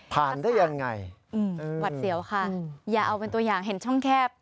เป็นคนชื่นชม